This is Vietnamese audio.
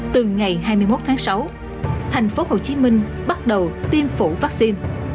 từ ngày hai mươi một tháng sáu thành phố hồ chí minh bắt đầu tiêm phủ vaccine